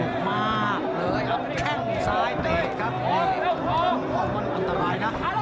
สมุกมากเลยครับแข้งซ้ายเตะครับ